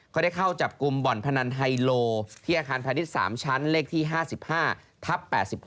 เขาได้เข้าจับกลุ่มบ่อนพนันไฮโลที่อาคารพาณิชย์๓ชั้นเลขที่๕๕ทับ๘๕